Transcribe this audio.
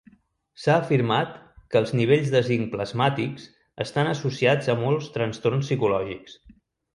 S'ha afirmat que els nivells de zinc plasmàtics estan associats a molts trastorns psicològics.